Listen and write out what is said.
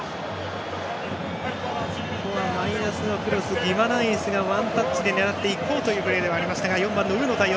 マイナスのクロスギマランイスがワンタッチで狙っていこうというプレーではありましたが４番のウーの対応。